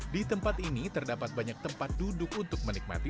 di tempat ini terdapat banyak tempat duduk untuk menikmati